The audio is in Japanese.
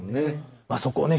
そこをね